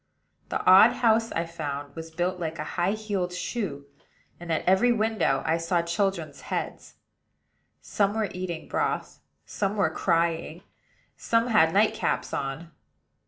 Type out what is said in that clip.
The odd house, I found, was built like a high heeled shoe; and at every window I saw children's heads. Some were eating broth; some were crying; and some had nightcaps on.